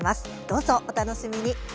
どうぞ、お楽しみに。